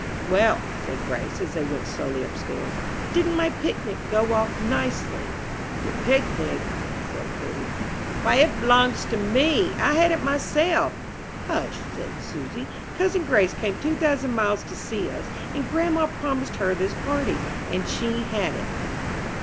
"Well," said Grace, as they went slowly upstairs, "didn't my picnic go off nicely?" "Your pignig?" said Prudy; "why it b'longs to me! I had it myself." "Hush," said Susy. "Cousin Grace came two thousand miles to see us, and grandma promised her this party, and she had it."